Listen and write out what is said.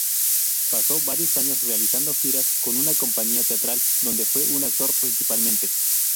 Pasó varios años realizando giras con una compañía teatral, donde fue un actor principalmente.